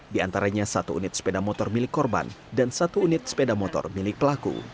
di antaranya satu unit sepeda motor milik korban dan satu unit sepeda motor milik pelaku